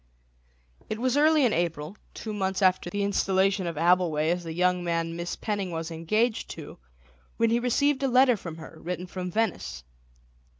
It was early in April, two months after the installation of Abbleway as the young man Miss Penning was engaged to, when he received a letter from her, written from Venice.